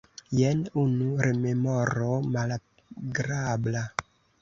Jen unu rememoro malagrabla.